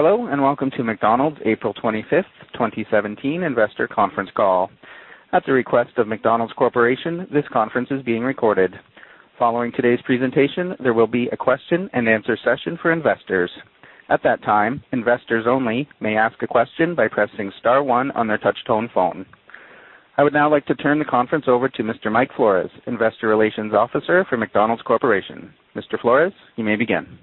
Hello, and welcome to McDonald's April 25th, 2017 investor conference call. At the request of McDonald's Corporation, this conference is being recorded. Following today's presentation, there will be a question and answer session for investors. At that time, investors only may ask a question by pressing star one on their touch-tone phone. I would now like to turn the conference over to Mr. Mike Flores, Investor Relations Officer for McDonald's Corporation. Mr. Flores, you may begin.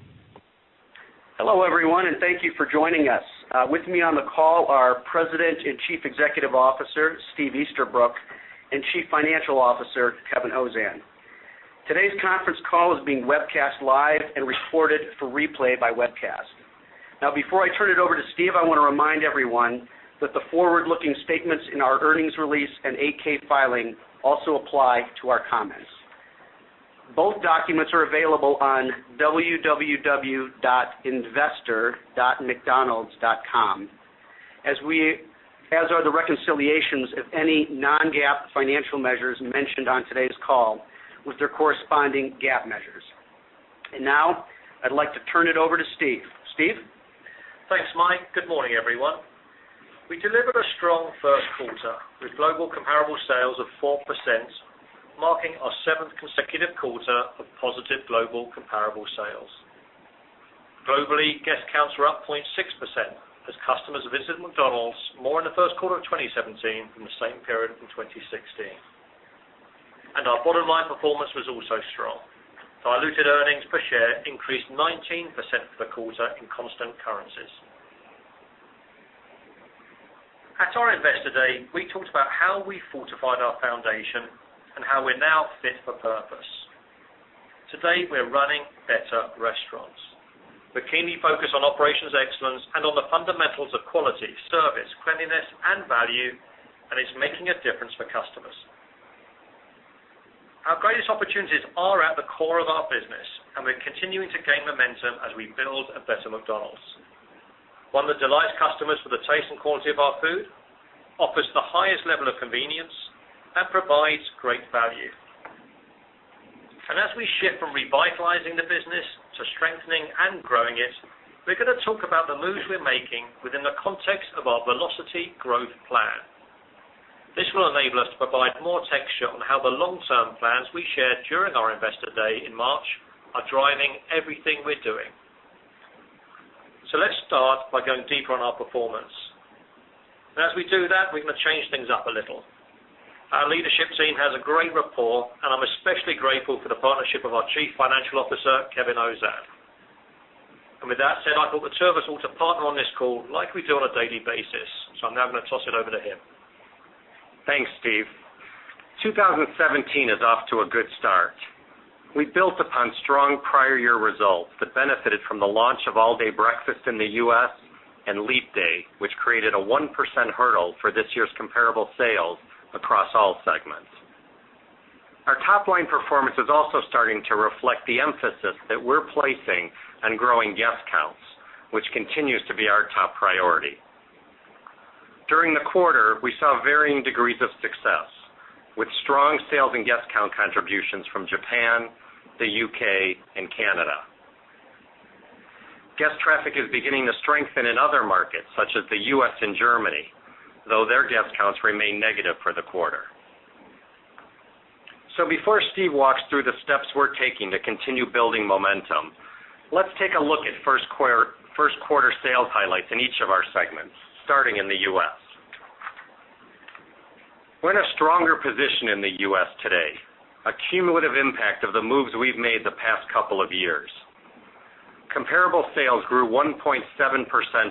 Hello, everyone, thank you for joining us. With me on the call are President and Chief Executive Officer, Steve Easterbrook, and Chief Financial Officer, Kevin Ozan. Today's conference call is being webcast live and recorded for replay by webcast. Now, before I turn it over to Steve, I want to remind everyone that the forward-looking statements in our earnings release and 8-K filing also apply to our comments. Both documents are available on investor.mcdonalds.com, as are the reconciliations of any non-GAAP financial measures mentioned on today's call with their corresponding GAAP measures. Now, I'd like to turn it over to Steve. Steve? Thanks, Mike. Good morning, everyone. We delivered a strong first quarter with global comparable sales of 4%, marking our seventh consecutive quarter of positive global comparable sales. Globally, guest counts were up 0.6% as customers visited McDonald's more in the first quarter of 2017 from the same period in 2016. Our bottom line performance was also strong. Diluted earnings per share increased 19% for the quarter in constant currencies. At our investor day, we talked about how we fortified our foundation and how we're now fit for purpose. Today, we're running better restaurants. We're keenly focused on operations excellence and on the fundamentals of quality, service, cleanliness, and value, and it's making a difference for customers. Our greatest opportunities are at the core of our business, and we're continuing to gain momentum as we build a better McDonald's. One that delights customers for the taste and quality of our food, offers the highest level of convenience, and provides great value. As we shift from revitalizing the business to strengthening and growing it, we're going to talk about the moves we're making within the context of our Velocity Growth Plan. This will enable us to provide more texture on how the long-term plans we shared during our investor day in March are driving everything we're doing. Let's start by going deeper on our performance. As we do that, we're going to change things up a little. Our leadership team has a great rapport, and I'm especially grateful for the partnership of our Chief Financial Officer, Kevin Ozan. With that said, I thought the two of us ought to partner on this call like we do on a daily basis. I'm now going to toss it over to him. Thanks, Steve. 2017 is off to a good start. We built upon strong prior year results that benefited from the launch of All Day Breakfast in the U.S. and leap day, which created a 1% hurdle for this year's comparable sales across all segments. Our top-line performance is also starting to reflect the emphasis that we're placing on growing guest counts, which continues to be our top priority. During the quarter, we saw varying degrees of success, with strong sales and guest count contributions from Japan, the U.K., and Canada. Guest traffic is beginning to strengthen in other markets, such as the U.S. and Germany, though their guest counts remain negative for the quarter. Before Steve walks through the steps we're taking to continue building momentum, let's take a look at first quarter sales highlights in each of our segments, starting in the U.S. We're in a stronger position in the U.S. today, a cumulative impact of the moves we've made the past couple of years. Comparable sales grew 1.7%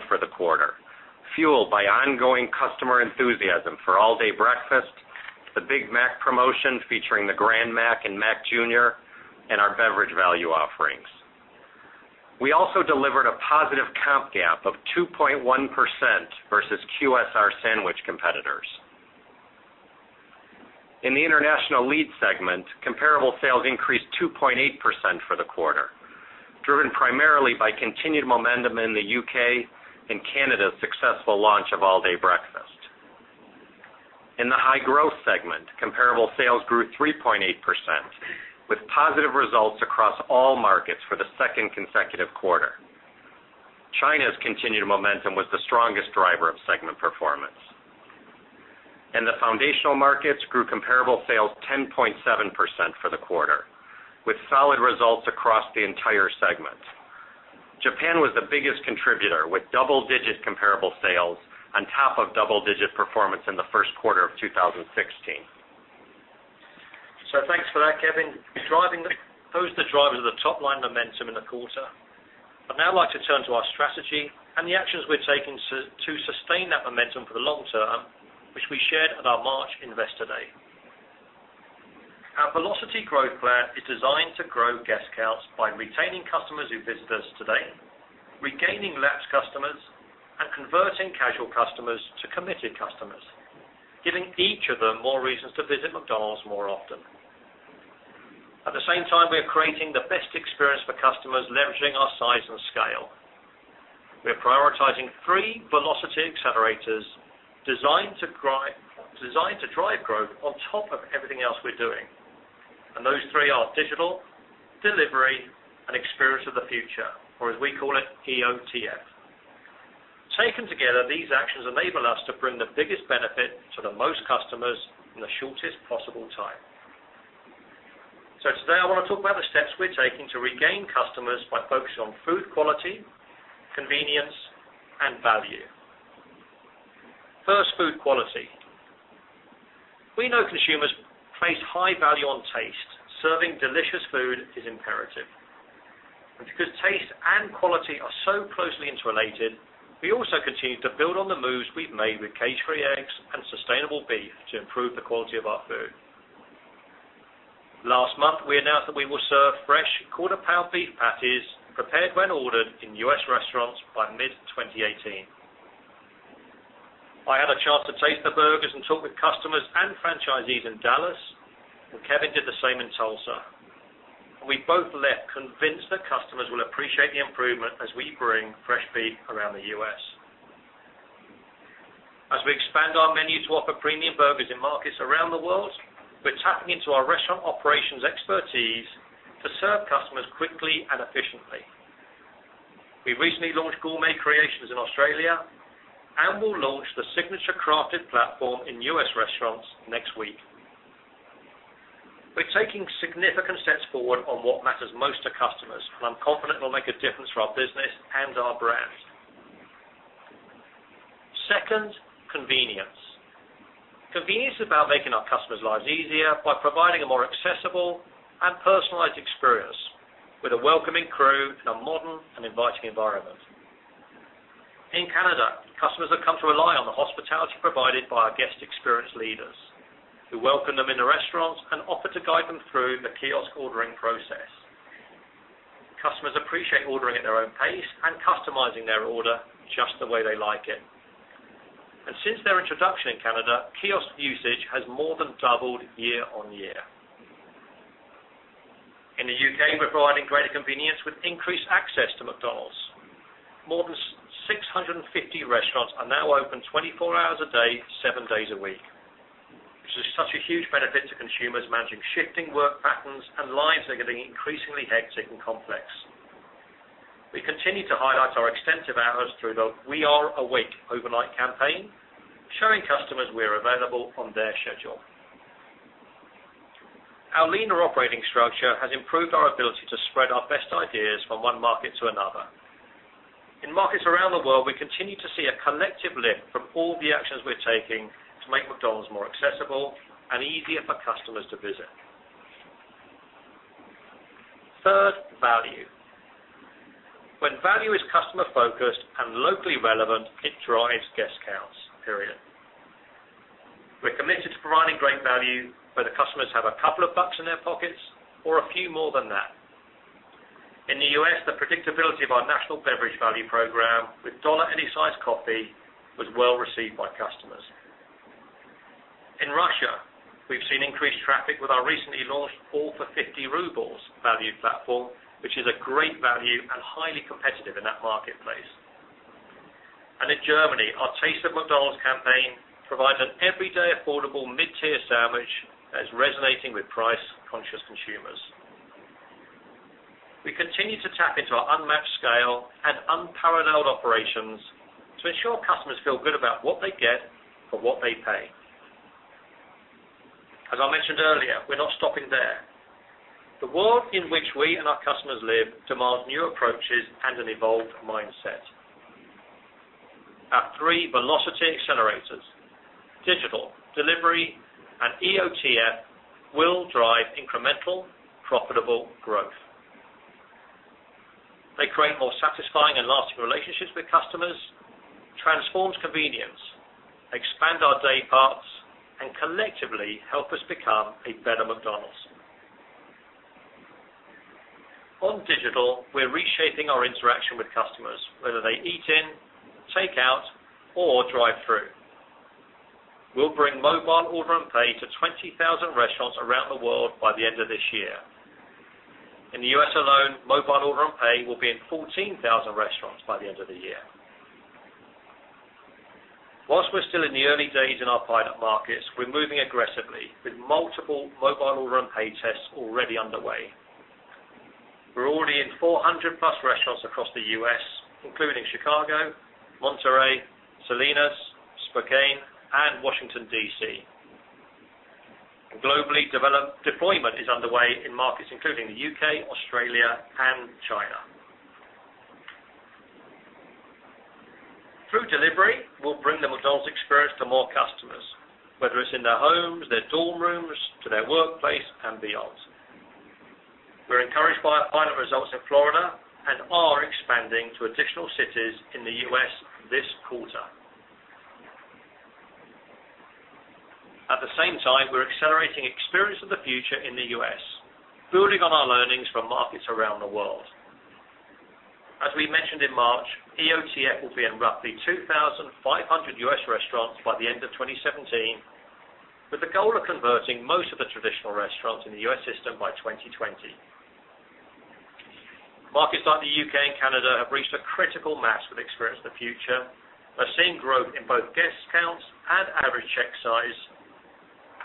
for the quarter, fueled by ongoing customer enthusiasm for All Day Breakfast, the Big Mac promotion featuring the Grand Mac and Mac Jr., and our beverage value offerings. We also delivered a positive comp gap of 2.1% versus QSR sandwich competitors. In the International Lead Segment, comparable sales increased 2.8% for the quarter, driven primarily by continued momentum in the U.K. and Canada's successful launch of All Day Breakfast. In the High Growth Segment, comparable sales grew 3.8%, with positive results across all markets for the second consecutive quarter. China's continued momentum was the strongest driver of segment performance. The Foundational Markets grew comparable sales 10.7% for the quarter, with solid results across the entire segment. Japan was the biggest contributor, with double-digit comparable sales on top of double-digit performance in the first quarter of 2016. Thanks for that, Kevin. Those are the drivers of the top-line momentum in the quarter. I'd now like to turn to our strategy and the actions we're taking to sustain that momentum for the long term, which we shared at our March investor day. Our Velocity Growth Plan is designed to grow guest counts by retaining customers who visit us today, regaining lapsed customers, and converting casual customers to committed customers, giving each of them more reasons to visit McDonald's more often. At the same time, we are creating the best experience for customers leveraging our size and scale. We are prioritizing three velocity accelerators designed to drive everything else we're doing. Those three are digital, delivery, and Experience of the Future, or as we call it, EOTF. Taken together, these actions enable us to bring the biggest benefit to the most customers in the shortest possible time. Today, I want to talk about the steps we're taking to regain customers by focusing on food quality, convenience, and value. First, food quality. We know consumers place high value on taste. Serving delicious food is imperative. Because taste and quality are so closely interrelated, we also continue to build on the moves we've made with cage-free eggs and sustainable beef to improve the quality of our food. Last month, we announced that we will serve fresh quarter-pound beef patties prepared when ordered in U.S. restaurants by mid-2018. I had a chance to taste the burgers and talk with customers and franchisees in Dallas, and Kevin did the same in Tulsa. We both left convinced that customers will appreciate the improvement as we bring fresh beef around the U.S. As we expand our menu to offer premium burgers in markets around the world, we're tapping into our restaurant operations expertise to serve customers quickly and efficiently. We recently launched Gourmet Creations in Australia and will launch the Signature Crafted platform in U.S. restaurants next week. We're taking significant steps forward on what matters most to customers, and I'm confident it'll make a difference for our business and our brand. Second, convenience. Convenience is about making our customers' lives easier by providing a more accessible and personalized experience with a welcoming crew in a modern and inviting environment. In Canada, customers have come to rely on the hospitality provided by our guest experience leaders who welcome them in the restaurants and offer to guide them through the kiosk ordering process. Customers appreciate ordering at their own pace and customizing their order just the way they like it. Since their introduction in Canada, kiosk usage has more than doubled year-on-year. In the U.K., we're providing greater convenience with increased access to McDonald's. More than 650 restaurants are now open 24 hours a day, seven days a week. This is such a huge benefit to consumers managing shifting work patterns and lives that are getting increasingly hectic and complex. We continue to highlight our extensive hours through the We Are Awake overnight campaign, showing customers we are available on their schedule. Our leaner operating structure has improved our ability to spread our best ideas from one market to another. In markets around the world, we continue to see a collective lift from all the actions we're taking to make McDonald's more accessible and easier for customers to visit. Third, value. When value is customer-focused and locally relevant, it drives guest counts, period. We're committed to providing great value, whether customers have a couple of bucks in their pockets or a few more than that. In the U.S., the predictability of our national beverage value program with dollar any size coffee was well received by customers. In Russia, we've seen increased traffic with our recently launched all for 50 rubles value platform, which is a great value and highly competitive in that marketplace. In Germany, our Taste of McDonald's campaign provides an everyday affordable mid-tier sandwich that is resonating with price-conscious consumers. We continue to tap into our unmatched scale and unparalleled operations to ensure customers feel good about what they get for what they pay. As I mentioned earlier, we're not stopping there. The world in which we and our customers live demands new approaches and an evolved mindset. Our three velocity accelerators, digital, delivery, and EOTF, will drive incremental, profitable growth. They create more satisfying and lasting relationships with customers, transforms convenience, expand our day parts, and collectively help us become a better McDonald's. On digital, we're reshaping our interaction with customers, whether they eat in, take out, or drive through. We'll bring Mobile Order & Pay to 20,000 restaurants around the world by the end of this year. In the U.S. alone, Mobile Order & Pay will be in 14,000 restaurants by the end of the year. Whilst we're still in the early days in our pilot markets, we're moving aggressively with multiple Mobile Order & Pay tests already underway. We're already in 400-plus restaurants across the U.S., including Chicago, Monterey, Salinas, Spokane, and Washington, D.C. Globally, deployment is underway in markets including the U.K., Australia, and China. Through delivery, we'll bring the McDonald's experience to more customers, whether it's in their homes, their dorm rooms, to their workplace and beyond. We're encouraged by our pilot results in Florida and are expanding to additional cities in the U.S. this quarter. At the same time, we're accelerating Experience of the Future in the U.S., building on our learnings from markets around the world. As we mentioned in March, EOTF will be in roughly 2,500 U.S. restaurants by the end of 2017 with the goal of converting most of the traditional restaurants in the U.S. system by 2020. Markets like the U.K. and Canada have reached a critical mass with Experience of the Future, are seeing growth in both guest counts and average check size,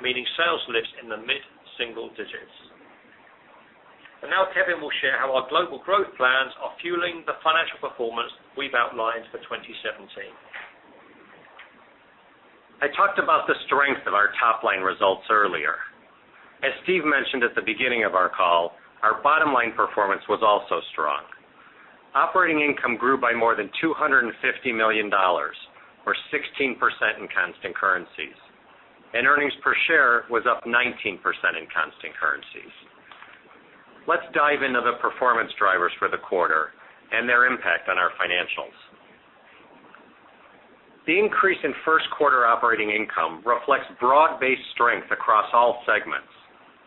meaning sales lifts in the mid-single digits. Now Kevin will share how our global growth plans are fueling the financial performance we've outlined for 2017. I talked about the strength of our top-line results earlier. As Steve mentioned at the beginning of our call, our bottom-line performance was also strong. Operating income grew by more than $250 million, or 16% in constant currencies, and earnings per share was up 19% in constant currencies. Let's dive into the performance drivers for the quarter and their impact on our financials. The increase in first quarter operating income reflects broad-based strength across all segments,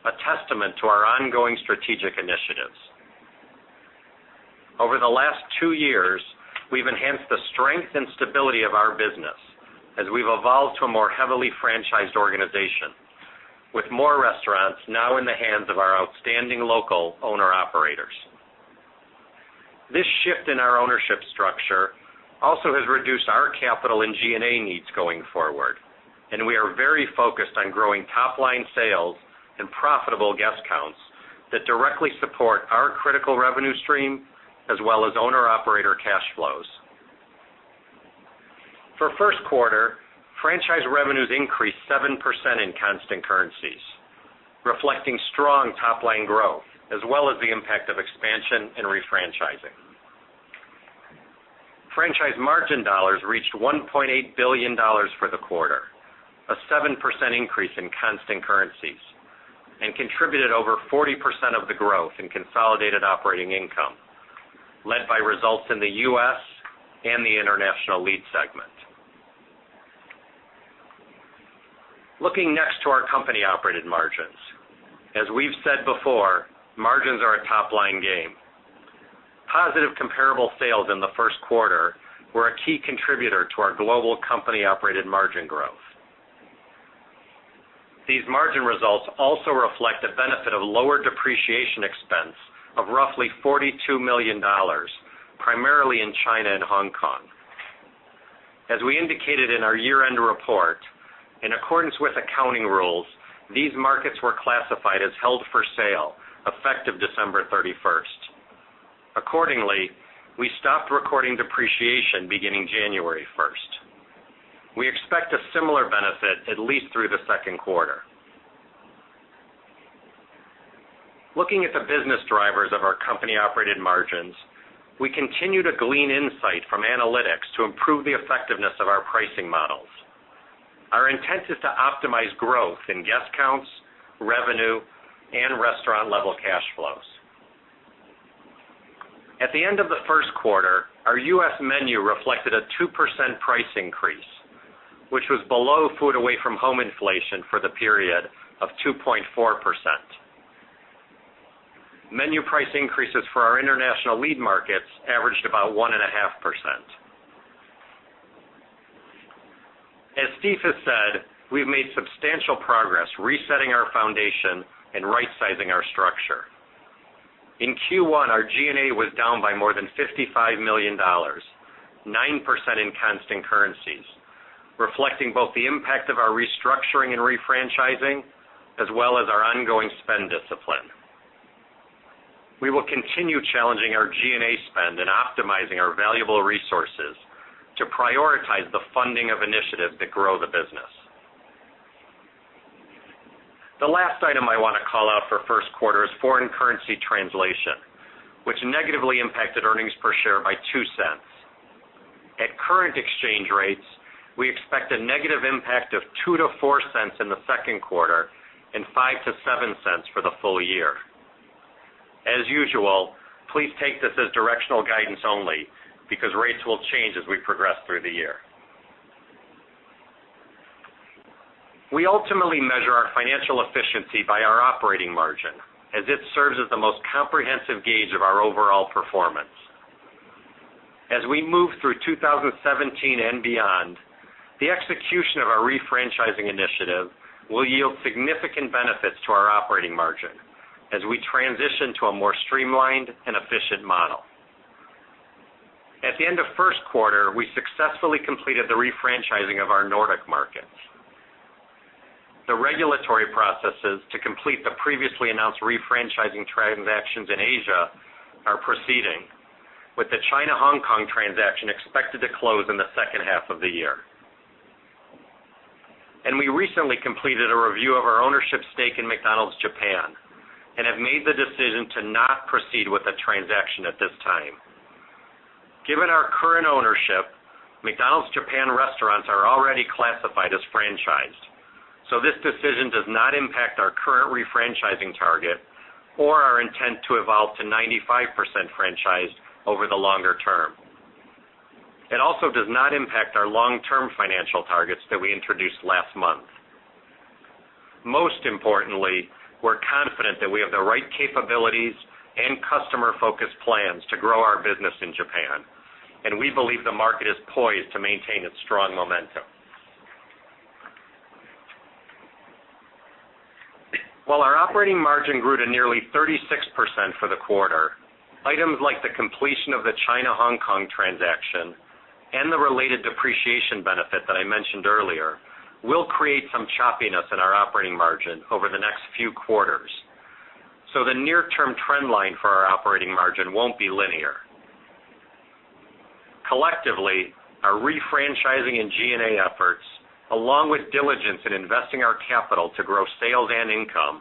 a testament to our ongoing strategic initiatives. Over the last two years, we've enhanced the strength and stability of our business as we've evolved to a more heavily franchised organization, with more restaurants now in the hands of our outstanding local owner-operators. This shift in our ownership structure also has reduced our capital and G&A needs going forward. We are very focused on growing top-line sales and profitable guest counts that directly support our critical revenue stream, as well as owner-operator cash flows. For first quarter, franchise revenues increased 7% in constant currencies, reflecting strong top-line growth, as well as the impact of expansion and refranchising. Franchise margin dollars reached $1.8 billion for the quarter, a 7% increase in constant currencies, and contributed over 40% of the growth in consolidated operating income, led by results in the U.S. and the International Lead Segment. Looking next to our company-operated margins. As we've said before, margins are a top-line game. Positive comparable sales in the first quarter were a key contributor to our global company-operated margin growth. These margin results also reflect the benefit of lower depreciation expense of roughly $42 million, primarily in China and Hong Kong. As we indicated in our year-end report, in accordance with accounting rules, these markets were classified as held for sale effective December 31st. Accordingly, we stopped recording depreciation beginning January 1st. We expect a similar benefit at least through the second quarter. Looking at the business drivers of our company-operated margins, we continue to glean insight from analytics to improve the effectiveness of our pricing models. Our intent is to optimize growth in guest counts, revenue, and restaurant-level cash flows. At the end of the first quarter, our U.S. menu reflected a 2% price increase, which was below food away from home inflation for the period of 2.4%. Menu price increases for our international lead markets averaged about 1.5%. As Steve has said, we've made substantial progress resetting our foundation and right-sizing our structure. In Q1, our G&A was down by more than $55 million, 9% in constant currencies, reflecting both the impact of our restructuring and refranchising, as well as our ongoing spend discipline. We will continue challenging our G&A spend and optimizing our valuable resources to prioritize the funding of initiatives that grow the business. The last item I want to call out for first quarter is foreign currency translation, which negatively impacted earnings per share by $0.02. At current exchange rates, we expect a negative impact of $0.02-$0.04 in the second quarter and $0.05-$0.07 for the full year. As usual, please take this as directional guidance only because rates will change as we progress through the year. We ultimately measure our financial efficiency by our operating margin, as it serves as the most comprehensive gauge of our overall performance. As we move through 2017 and beyond, the execution of our refranchising initiative will yield significant benefits to our operating margin as we transition to a more streamlined and efficient model. At the end of first quarter, we successfully completed the refranchising of our Nordic markets. The regulatory processes to complete the previously announced refranchising transactions in Asia are proceeding, with the China/Hong Kong transaction expected to close in the second half of the year. We recently completed a review of our ownership stake in McDonald's Japan and have made the decision to not proceed with a transaction at this time. Given our current ownership, McDonald's Japan restaurants are already classified as franchised, so this decision does not impact our current refranchising target or our intent to evolve to 95% franchised over the longer term. It also does not impact our long-term financial targets that we introduced last month. Most importantly, we're confident that we have the right capabilities and customer-focused plans to grow our business in Japan, and we believe the market is poised to maintain its strong momentum. While our operating margin grew to nearly 36% for the quarter, items like the completion of the China-Hong Kong transaction and the related depreciation benefit that I mentioned earlier will create some choppiness in our operating margin over the next few quarters. The near-term trend line for our operating margin won't be linear. Collectively, our refranchising and G&A efforts, along with diligence in investing our capital to grow sales and income,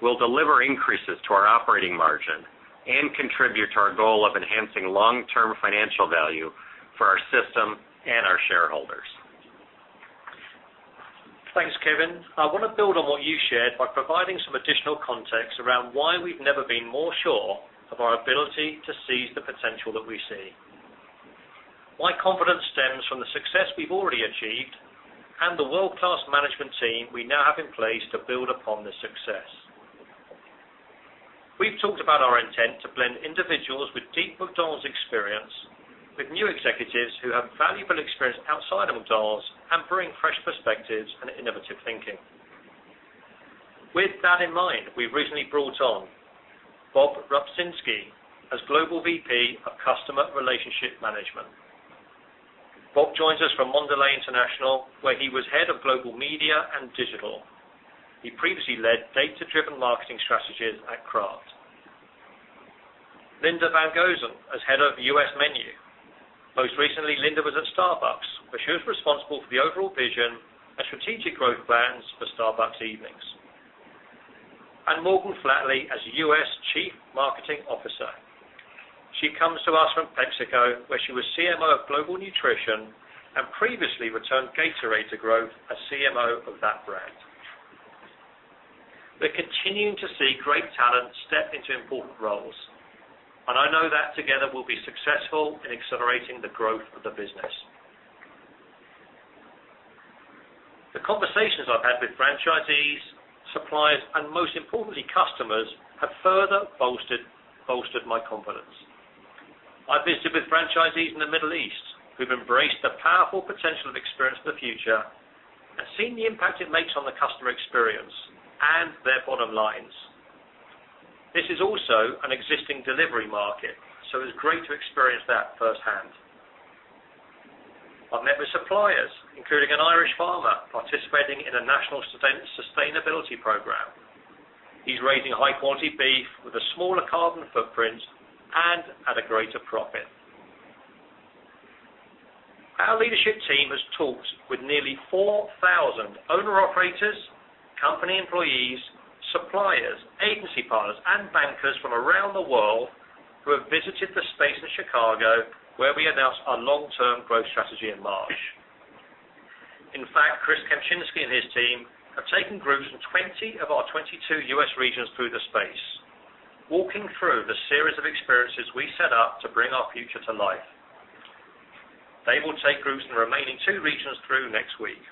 will deliver increases to our operating margin and contribute to our goal of enhancing long-term financial value for our system and our shareholders. Thanks, Kevin. I want to build on what you shared by providing some additional context around why we've never been more sure of our ability to seize the potential that we see. My confidence stems from the success we've already achieved and the world-class management team we now have in place to build upon the success. We've talked about our intent to blend individuals with deep McDonald's experience with new executives who have valuable experience outside of McDonald's and bring fresh perspectives and innovative thinking. With that in mind, we've recently brought on Bob Rupczynski as Global VP of Customer Relationship Management. Bob joins us from Mondelez International, where he was head of global media and digital. He previously led data-driven marketing strategies at Kraft. Linda VanGosen as Head of U.S. Menu. Most recently, Linda was at Starbucks, where she was responsible for the overall vision and strategic growth plans for Starbucks Evenings. Morgan Flatley as U.S. Chief Marketing Officer. She comes to us from PepsiCo, where she was CMO of Global Nutrition and previously returned Gatorade to growth as CMO of that brand. We're continuing to see great talent step into important roles, and I know that together we'll be successful in accelerating the growth of the business. The conversations I've had with franchisees, suppliers, and most importantly, customers, have further bolstered my confidence. I visited with franchisees in the Middle East, who've embraced the powerful potential of Experience of the Future and seen the impact it makes on the customer experience and their bottom lines. This is also an existing delivery market, so it was great to experience that firsthand. I met with suppliers, including an Irish farmer participating in a national sustainability program. He's raising high-quality beef with a smaller carbon footprint and at a greater profit. Our leadership team has talked with nearly 4,000 owner-operators, company employees, suppliers, agency partners, and bankers from around the world who have visited the space in Chicago where we announced our long-term growth strategy in March. In fact, Chris Kempczinski and his team have taken groups from 20 of our 22 U.S. regions through the space, walking through the series of experiences we set up to bring our future to life. They will take groups from the remaining two regions through next week.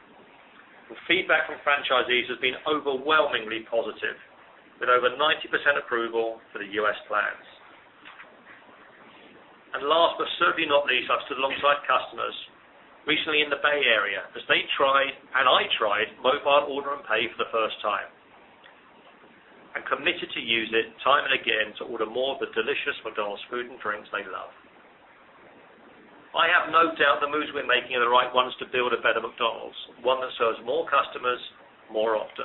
The feedback from franchisees has been overwhelmingly positive, with over 90% approval for the U.S. plans. Last but certainly not least, I stood alongside customers recently in the Bay Area as they tried, and I tried, Mobile Order & Pay for the first time and committed to use it time and again to order more of the delicious McDonald's food and drinks they love. I have no doubt the moves we're making are the right ones to build a better McDonald's, one that serves more customers more often.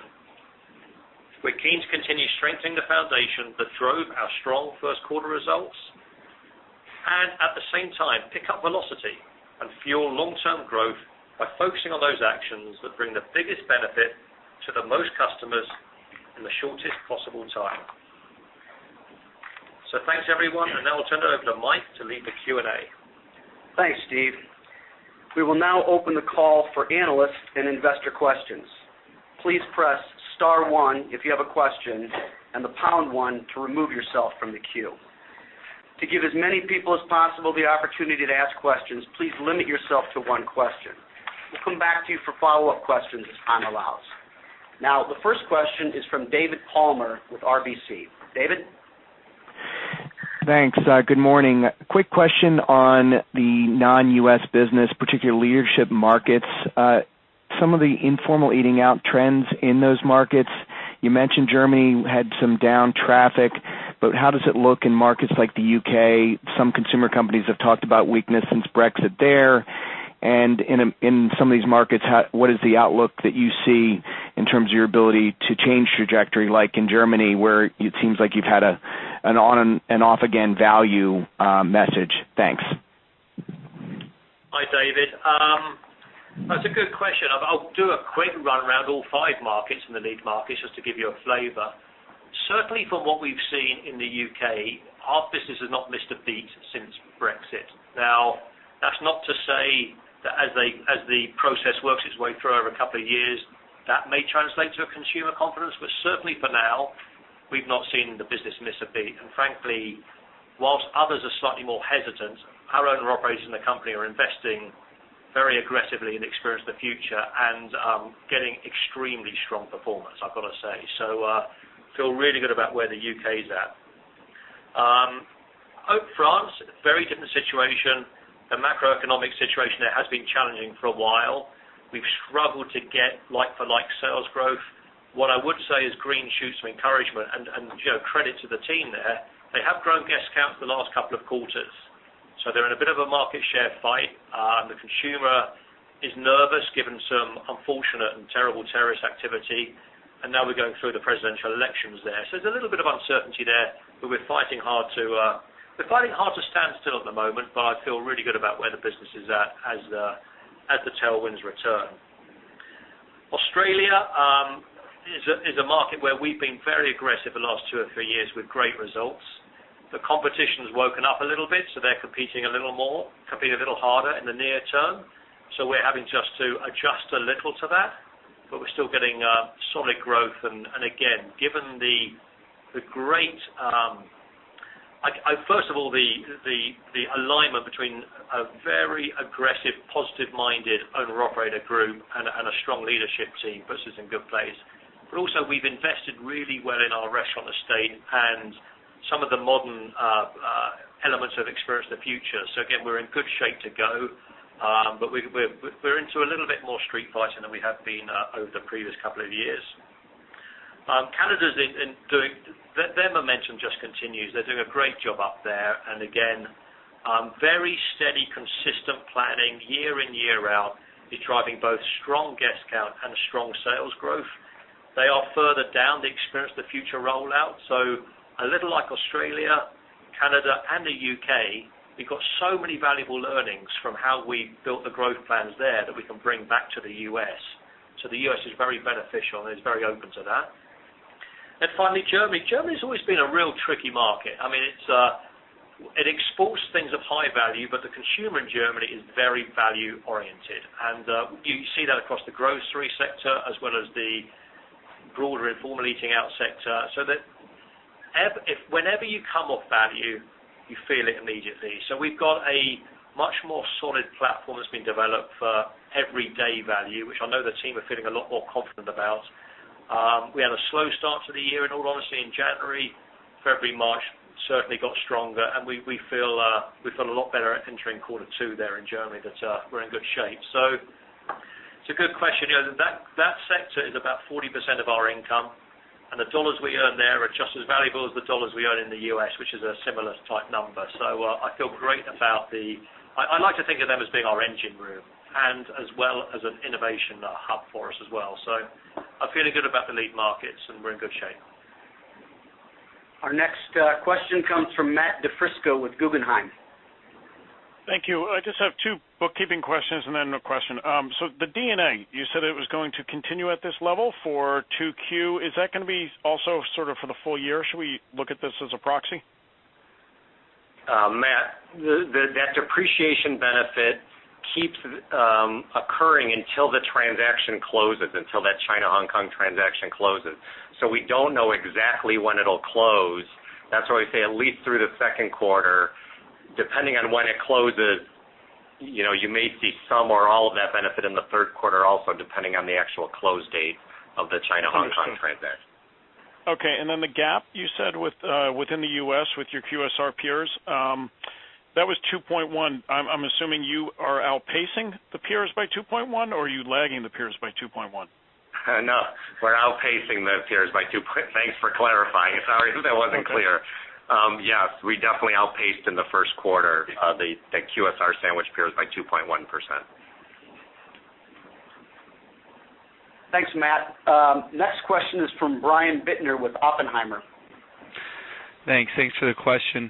We're keen to continue strengthening the foundation that drove our strong first quarter results and at the same time pick up velocity and fuel long-term growth by focusing on those actions that bring the biggest benefit to the most customers in the shortest possible time. Thanks, everyone, and now I'll turn it over to Mike to lead the Q&A. Thanks, Steve. We will now open the call for analyst and investor questions. Please press star 1 if you have a question and the pound 1 to remove yourself from the queue. To give as many people as possible the opportunity to ask questions, please limit yourself to one question. We'll come back to you for follow-up questions as time allows. Now, the first question is from David Palmer with RBC. David? Thanks. Good morning. Quick question on the non-U.S. business, particularly leadership markets. Some of the informal eating out trends in those markets, you mentioned Germany had some down traffic, but how does it look in markets like the U.K.? Some consumer companies have talked about weakness since Brexit there. In some of these markets, what is the outlook that you see in terms of your ability to change trajectory, like in Germany, where it seems like you've had an off-again value message? Thanks. Hi, David. That's a good question. I'll do a quick run around all five markets in the lead markets just to give you a flavor. Certainly from what we've seen in the U.K., our business has not missed a beat since Brexit. That's not to say that as the process works its way through over a couple of years, that may translate to a consumer confidence. Certainly for now, we've not seen the business miss a beat. Frankly, whilst others are slightly more hesitant, our owner operators in the company are investing very aggressively in Experience of the Future and getting extremely strong performance, I've got to say. Feel really good about where the U.K. is at. Very different situation. The macroeconomic situation there has been challenging for a while. We've struggled to get like-for-like sales growth. What I would say is green shoots of encouragement and credit to the team there, they have grown guest count for the last couple of quarters. They're in a bit of a market share fight. The consumer is nervous given some unfortunate and terrible terrorist activity, and now we're going through the presidential elections there. There's a little bit of uncertainty there, but we're fighting hard to stand still at the moment, but I feel really good about where the business is at as the tailwinds return. Australia is a market where we've been very aggressive the last two or three years with great results. The competition's woken up a little bit, so they're competing a little more, competing a little harder in the near term. We're having just to adjust a little to that, but we're still getting solid growth. Again, first of all, the alignment between a very aggressive, positive-minded owner-operator group and a strong leadership team puts us in good place. Also we've invested really well in our restaurant estate and some of the modern elements of Experience of the Future. Again, we're in good shape to go. We're into a little bit more street fighting than we have been over the previous couple of years. Canada, their momentum just continues. They're doing a great job up there. Again, very steady, consistent planning year in, year out is driving both strong guest count and strong sales growth. They are further down the Experience of the Future rollout. A little like Australia, Canada, and the U.K., we've got so many valuable learnings from how we built the growth plans there that we can bring back to the U.S. The U.S. is very beneficial, and it's very open to that. Finally, Germany. Germany's always been a real tricky market. It exports things of high value, but the consumer in Germany is very value-oriented, and you see that across the grocery sector as well as the broader informal eating out sector. Whenever you come off value, you feel it immediately. We've got a much more solid platform that's been developed for everyday value, which I know the team are feeling a lot more confident about. We had a slow start to the year, in all honesty, in January. February, March certainly got stronger, and we feel a lot better entering quarter two there in Germany that we're in good shape. It's a good question. That sector is about 40% of our income, and the dollars we earn there are just as valuable as the dollars we earn in the U.S., which is a similar type number. I like to think of them as being our engine room and as well as an innovation hub for us as well. I'm feeling good about the lead markets, and we're in good shape. Our next question comes from Matthew DiFrisco with Guggenheim. Thank you. I just have two bookkeeping questions and then a question. The D&A, you said it was going to continue at this level for 2Q. Is that going to be also sort of for the full year? Should we look at this as a proxy? Matt, that depreciation benefit keeps occurring until the transaction closes, until that China-Hong Kong transaction closes. We don't know exactly when it'll close. That's why we say at least through the second quarter. Depending on when it closes, you may see some or all of that benefit in the third quarter also, depending on the actual close date of the China-Hong Kong transaction. Okay, the gap you said within the U.S. with your QSR peers, that was 2.1%. I'm assuming you are outpacing the peers by 2.1%, or are you lagging the peers by 2.1%? No, we're outpacing the peers by 2.1%. Thanks for clarifying. Sorry if that wasn't clear. Okay. Yes, we definitely outpaced in the first quarter, the QSR sandwich peers by 2.1%. Thanks, Matt. Next question is from Brian Bittner with Oppenheimer. Thanks for the question.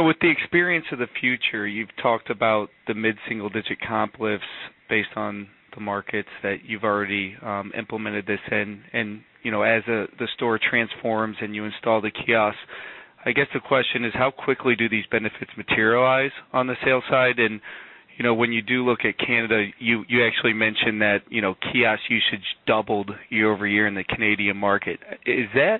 With the Experience of the Future, you've talked about the mid-single-digit comp lifts based on the markets that you've already implemented this in. As the store transforms and you install the kiosk, I guess the question is, how quickly do these benefits materialize on the sales side? When you do look at Canada, you actually mentioned that kiosk usage doubled year-over-year in the Canadian market. Is that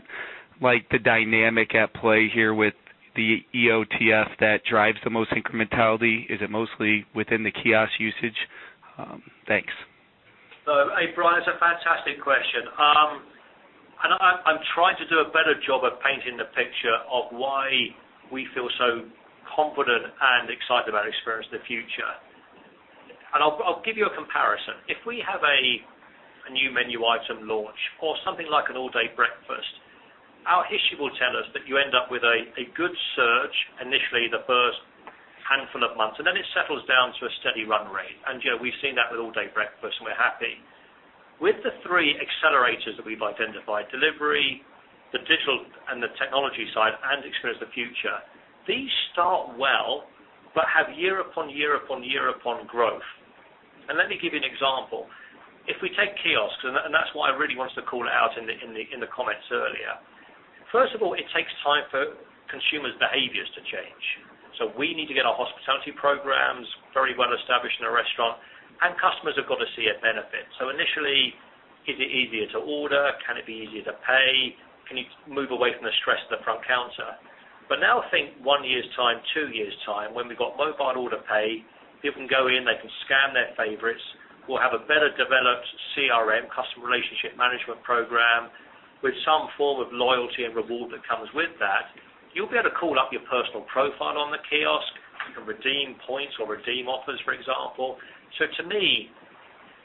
like the dynamic at play here with the EOTF that drives the most incrementality? Is it mostly within the kiosk usage? Thanks. Hey, Brian, it's a fantastic question. I'm trying to do a better job of painting the picture of why we feel so confident and excited about Experience of the Future. I'll give you a comparison. If we have a new menu item launch or something like an All Day Breakfast, our history will tell us that you end up with a good surge initially the first handful of months, then it settles down to a steady run rate. We've seen that with All Day Breakfast, we're happy. With the three accelerators that we've identified, delivery, the digital, the technology side, and Experience of the Future, these start well but have year upon year upon year upon growth. Let me give you an example. If we take kiosks, that's what I really wanted to call out in the comments earlier. First of all, it takes time for consumers' behaviors to change. We need to get our hospitality programs very well established in a restaurant, and customers have got to see a benefit. Initially, is it easier to order? Can it be easier to pay? Can you move away from the stress of the front counter? Now think one year's time, two years' time, when we've got Mobile Order & Pay, people can go in, they can scan their favorites. We'll have a better-developed CRM, customer relationship management program With some form of loyalty and reward that comes with that, you'll be able to call up your personal profile on the kiosk. You can redeem points or redeem offers, for example. To me,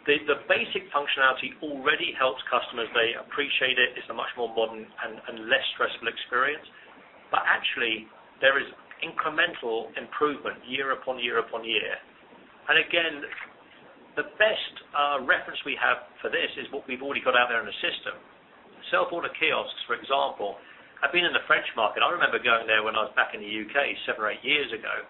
the basic functionality already helps customers. They appreciate it. It's a much more modern and less stressful experience. Actually, there is incremental improvement year upon year upon year. Again, the best reference we have for this is what we've already got out there in the system. Self-order kiosks, for example, have been in the French market. I remember going there when I was back in the U.K. seven or eight years ago.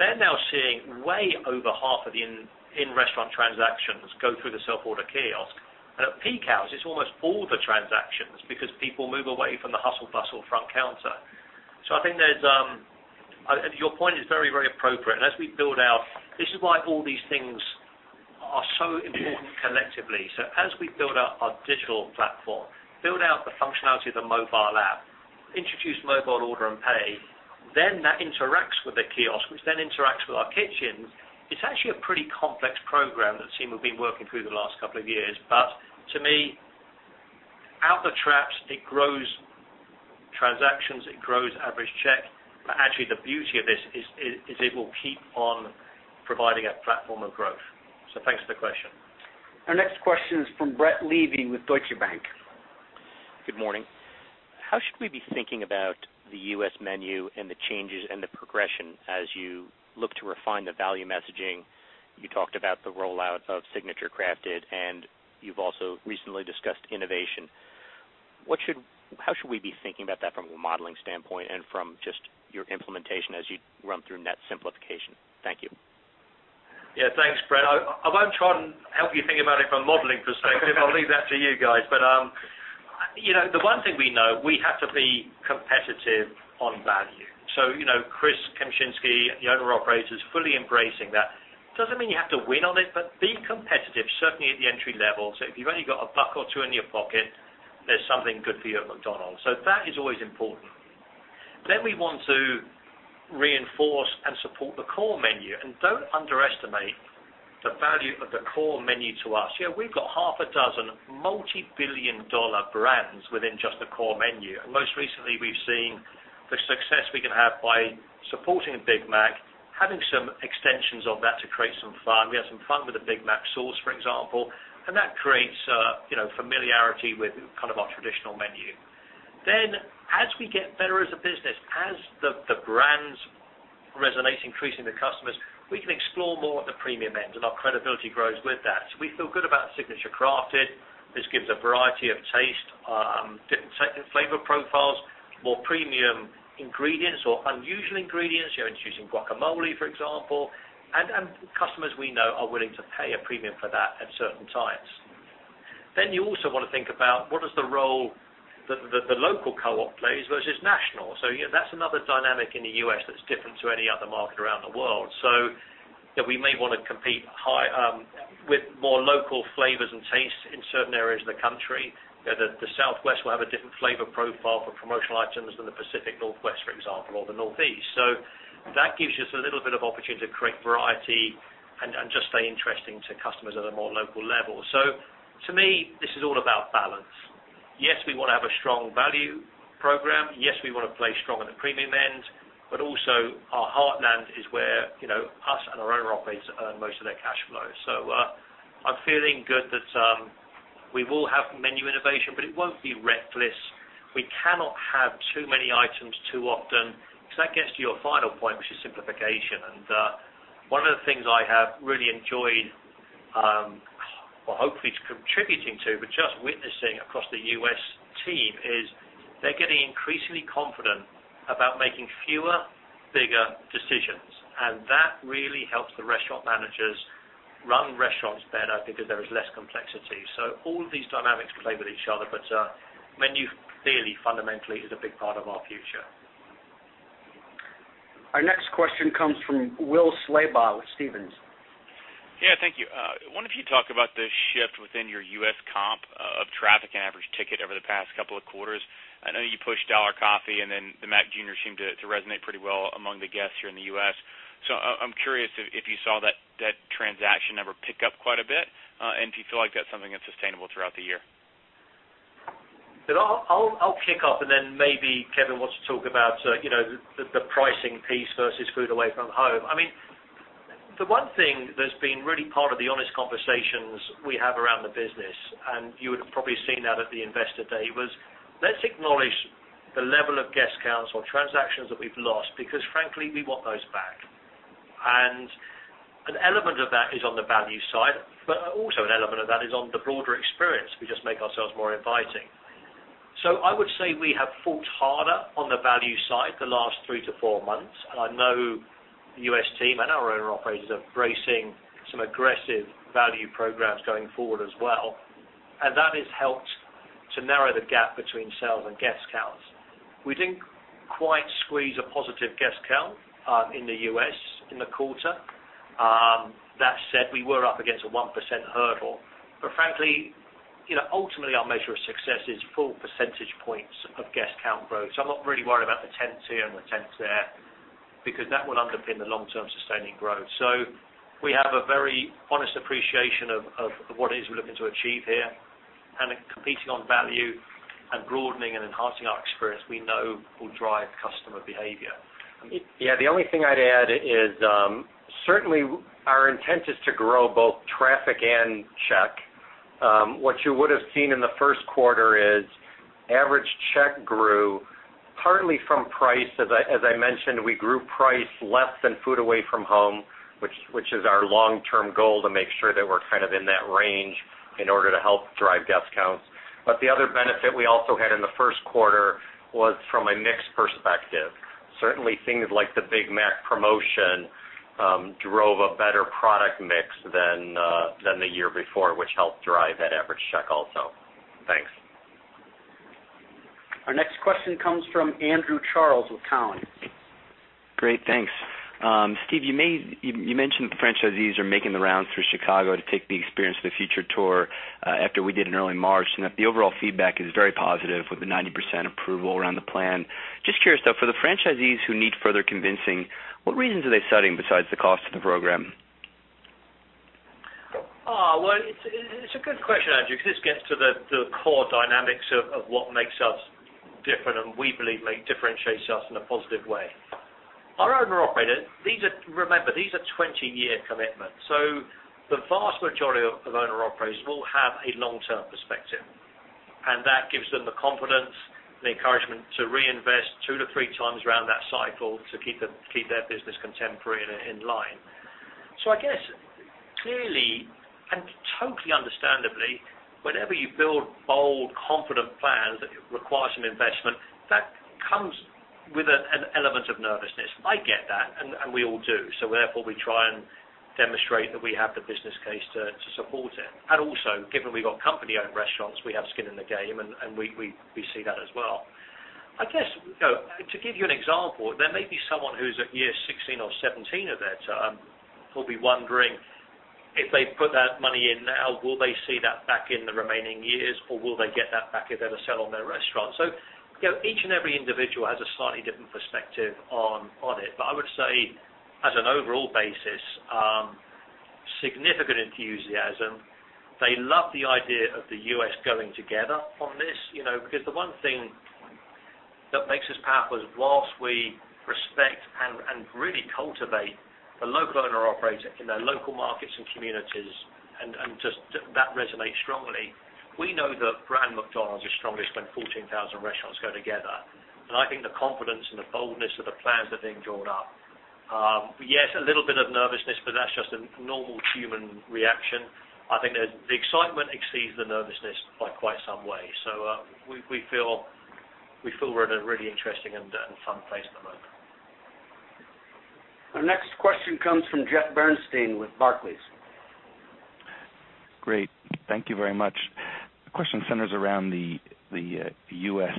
They're now seeing way over half of the in-restaurant transactions go through the self-order kiosk. At peak hours, it's almost all the transactions because people move away from the hustle bustle front counter. I think your point is very appropriate. As we build out, this is why all these things are so important collectively. As we build out our digital platform, build out the functionality of the mobile app, introduce Mobile Order & Pay, that interacts with the kiosk, which interacts with our kitchen. It's actually a pretty complex program that the team have been working through the last couple of years. To me, out the traps, it grows transactions, it grows average check. Actually, the beauty of this is it will keep on providing a platform of growth. Thanks for the question. Our next question is from Brett Levy with Deutsche Bank. Good morning. How should we be thinking about the U.S. menu and the changes and the progression as you look to refine the value messaging? You talked about the rollout of Signature Crafted, you've also recently discussed innovation. How should we be thinking about that from a modeling standpoint and from just your implementation as you run through net simplification? Thank you. Thanks, Brett. I won't try and help you think about it from a modeling perspective. I'll leave that to you guys. The one thing we know, we have to be competitive on value. Chris Kempczinski and the owner operators are fully embracing that. It doesn't mean you have to win on it, but be competitive, certainly at the entry level. If you've only got a buck or two in your pocket, there's something good for you at McDonald's. That is always important. We want to reinforce and support the core menu, and don't underestimate the value of the core menu to us. We've got half a dozen multi-billion dollar brands within just the core menu. Most recently, we've seen the success we can have by supporting a Big Mac, having some extensions of that to create some fun. We had some fun with the Big Mac sauce, for example, and that creates familiarity with kind of our traditional menu. As we get better as a business, as the brands resonate, increasing the customers, we can explore more at the premium end, and our credibility grows with that. We feel good about Signature Crafted, which gives a variety of taste, different flavor profiles, more premium ingredients or unusual ingredients. You're introducing guacamole, for example, and customers we know are willing to pay a premium for that at certain times. You also want to think about what is the role that the local co-op plays versus national. That's another dynamic in the U.S. that's different to any other market around the world. We may want to compete with more local flavors and tastes in certain areas of the country. The Southwest will have a different flavor profile for promotional items than the Pacific Northwest, for example, or the Northeast. That gives us a little bit of opportunity to create variety and just stay interesting to customers at a more local level. To me, this is all about balance. Yes, we want to have a strong value program. Yes, we want to play strong on the premium end, but also our heartland is where us and our owner operators earn most of their cash flow. I'm feeling good that we will have menu innovation, but it won't be reckless. We cannot have too many items too often because that gets to your final point, which is simplification. One of the things I have really enjoyed, well, hopefully it's contributing to, but just witnessing across the U.S. team is they're getting increasingly confident about making fewer, bigger decisions. That really helps the restaurant managers run restaurants better because there is less complexity. All of these dynamics play with each other, but menu clearly, fundamentally is a big part of our future. Our next question comes from Will Slabaugh with Stephens. Yeah, thank you. I wonder if you'd talk about the shift within your U.S. comp of traffic and average ticket over the past couple of quarters. I know you pushed dollar coffee, and then the Mac Jr. seemed to resonate pretty well among the guests here in the U.S. I'm curious if you saw that transaction number pick up quite a bit, and do you feel like that's something that's sustainable throughout the year? I'll kick off, and then maybe Kevin wants to talk about the pricing piece versus food away from home. I mean, the one thing that's been really part of the honest conversations we have around the business, and you would have probably seen that at the Investor Day, was let's acknowledge the level of guest counts or transactions that we've lost, because frankly, we want those back. An element of that is on the value side, but also an element of that is on the broader experience. We just make ourselves more inviting. I would say we have fought harder on the value side the last three to four months. I know the U.S. team and our owner operators are bracing some aggressive value programs going forward as well, and that has helped to narrow the gap between sales and guest counts. We didn't quite squeeze a positive guest count in the U.S. in the quarter. That said, we were up against a 1% hurdle. Frankly, ultimately our measure of success is full percentage points of guest count growth. I'm not really worried about the tenths here and the tenths there. That will underpin the long-term sustaining growth. We have a very honest appreciation of what it is we're looking to achieve here, and competing on value and broadening and enhancing our experience we know will drive customer behavior. Yeah. The only thing I'd add is, certainly our intent is to grow both traffic and check. What you would've seen in the first quarter is average check grew partly from price. As I mentioned, we grew price less than food away from home, which is our long-term goal to make sure that we're kind of in that range in order to help drive guest counts. The other benefit we also had in the first quarter was from a mix perspective. Certainly things like the Big Mac promotion, drove a better product mix than the year before, which helped drive that average check also. Thanks. Our next question comes from Andrew Charles with Cowen. Great, thanks. Steve, you mentioned the franchisees are making the rounds through Chicago to take the Experience of the Future tour, after we did in early March, and that the overall feedback is very positive with a 90% approval around the plan. Just curious, though, for the franchisees who need further convincing, what reasons are they citing besides the cost of the program? Well, it's a good question, Andrew, because this gets to the core dynamics of what makes us different, and we believe may differentiate us in a positive way. Our owner operators, remember, these are 20-year commitments, the vast majority of owner operators will have a long-term perspective, and that gives them the confidence and the encouragement to reinvest two to three times around that cycle to keep their business contemporary and in line. I guess, clearly, and totally understandably, whenever you build bold, confident plans that require some investment, that comes with an element of nervousness. I get that, and we all do. Therefore, we try and demonstrate that we have the business case to support it. And also, given we've got company-owned restaurants, we have skin in the game, and we see that as well. I guess, to give you an example, there may be someone who's at year 16 or 17 of their term, who'll be wondering if they put that money in now, will they see that back in the remaining years, or will they get that back if they ever sell on their restaurant? Each and every individual has a slightly different perspective on it. I would say, as an overall basis, significant enthusiasm. They love the idea of the U.S. going together on this. The one thing that makes us powerful is whilst we respect and really cultivate the local owner operator in their local markets and communities, and that resonates strongly. We know that brand McDonald's is strongest when 14,000 restaurants go together. I think the confidence and the boldness of the plans are being drawn up. Yes, a little bit of nervousness, but that's just a normal human reaction. I think that the excitement exceeds the nervousness by quite some way. We feel we're in a really interesting and fun place at the moment. Our next question comes from Jeffrey Bernstein with Barclays. Great. Thank you very much. The question centers around the U.S.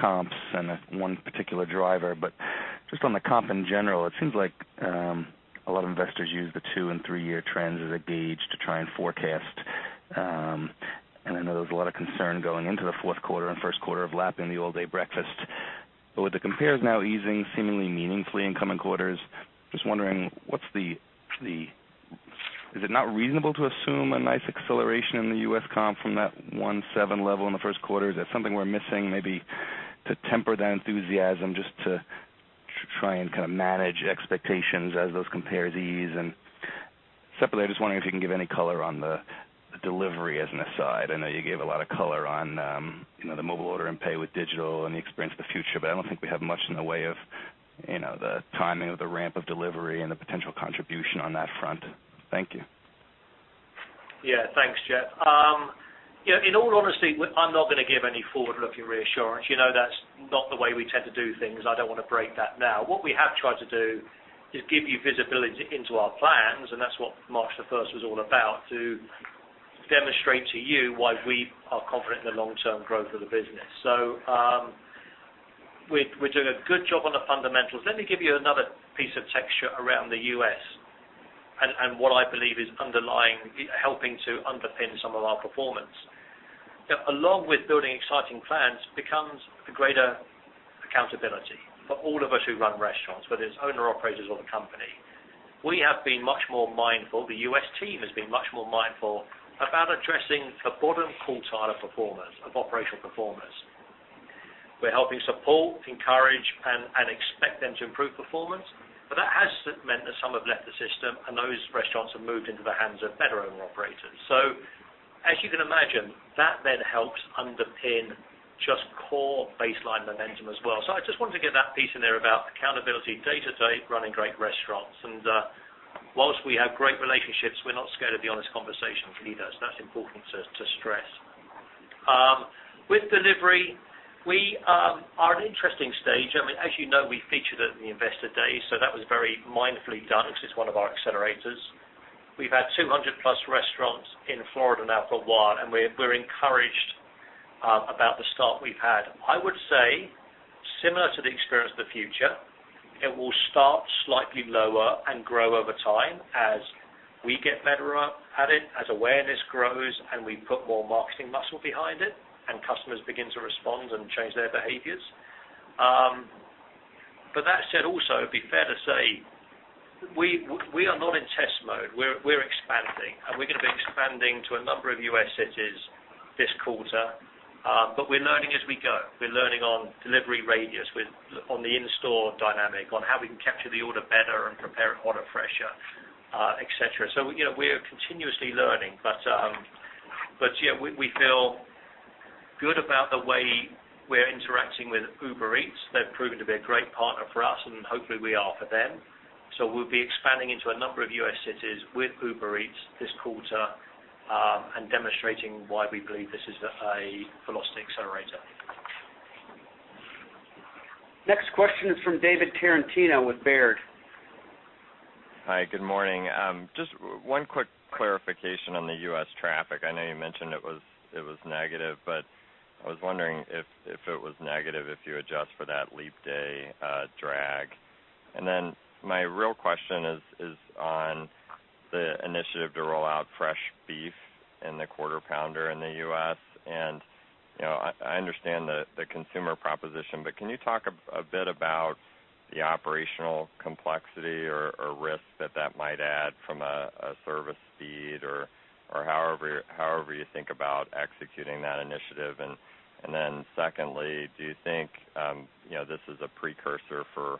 comps and one particular driver. Just on the comp in general, it seems like a lot of investors use the two- and three-year trends as a gauge to try and forecast. I know there was a lot of concern going into the fourth quarter and first quarter of lapping the All Day Breakfast. With the compares now easing seemingly meaningfully in coming quarters, just wondering, is it not reasonable to assume a nice acceleration in the U.S. comp from that 1.7% level in the first quarter? Is there something we're missing maybe to temper that enthusiasm just to try and kind of manage expectations as those compares ease? Separately, I was just wondering if you can give any color on the delivery as an aside. I know you gave a lot of color on the Mobile Order & Pay with digital and the Experience of the Future, I don't think we have much in the way of the timing of the ramp of delivery and the potential contribution on that front. Thank you. Yeah. Thanks, Jeff. In all honesty, I'm not going to give any forward-looking reassurance. You know that's not the way we tend to do things. I don't want to break that now. What we have tried to do is give you visibility into our plans, that's what March the 1st was all about, to demonstrate to you why we are confident in the long-term growth of the business. We're doing a good job on the fundamentals. Let me give you another piece of texture around the U.S., what I believe is helping to underpin some of our performance. Along with building exciting plans becomes the greater accountability for all of us who run restaurants, whether it's owner operators or the company. We have been much more mindful, the U.S. team has been much more mindful about addressing the bottom quartile of performance, of operational performance. We're helping support, encourage, and expect them to improve performance. That has meant that some have left the system, those restaurants have moved into the hands of better owner operators. As you can imagine, that helps underpin just core baseline momentum as well. I just wanted to get that piece in there about accountability day to day, running great restaurants, whilst we have great relationships, we're not scared of the honest conversation with leaders. That's important to stress. With delivery, we are at an interesting stage. As you know, we featured it in the Investor Day, that was very mindfully done because it's one of our accelerators. We've had 200-plus restaurants in Florida now for a while, we're encouraged about the start we've had. I would say, similar to the Experience of the Future, it will start slightly lower and grow over time as we get better at it as awareness grows, we put more marketing muscle behind it, customers begin to respond and change their behaviors. That said, also, it'd be fair to say, we are not in test mode. We're expanding, we're going to be expanding to a number of U.S. cities this quarter. We're learning as we go. We're learning on delivery radius, on the in-store dynamic, on how we can capture the order better and prepare it hotter, fresher, et cetera. We are continuously learning. Yeah, we feel good about the way we're interacting with Uber Eats. They've proven to be a great partner for us, hopefully, we are for them. We'll be expanding into a number of U.S. cities with Uber Eats this quarter, and demonstrating why we believe this is a velocity accelerator. Next question is from David Tarantino with Baird. Hi. Good morning. Just one quick clarification on the U.S. traffic. I know you mentioned it was negative, but I was wondering if it was negative, if you adjust for that leap day drag. My real question is on the initiative to roll out fresh beef in the Quarter Pounder in the U.S. I understand the consumer proposition, but can you talk a bit about the operational complexity or risk that that might add from a service speed or however you think about executing that initiative? Secondly, do you think this is a precursor for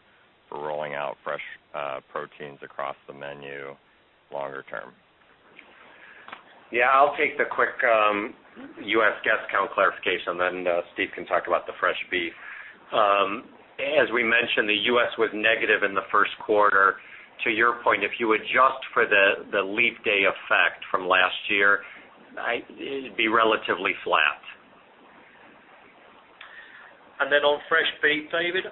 rolling out fresh proteins across the menu longer term? I'll take the quick U.S. guest count clarification, then Steve can talk about the fresh beef. As we mentioned, the U.S. was negative in the first quarter. To your point, if you adjust for the leap day effect from last year, it'd be relatively flat. On fresh beef, David,